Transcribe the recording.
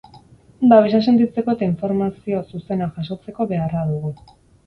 Babesa sentitzeko eta informazio zuzena jasotzeko beharra dugu.